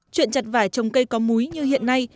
chuyện chặt vải trồng cây có múi như hiện nay